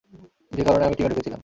যে কারণে আমি টিমে ঢুকেছিলাম।